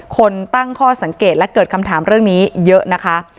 คนตั้งข้อสังเกตและเกิดคำถามเรื่องนี้เยอะนะคะ